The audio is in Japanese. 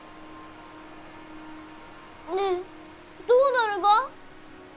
ねえどうなるが？